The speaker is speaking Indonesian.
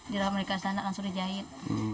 di rumah mereka sana langsung dijahit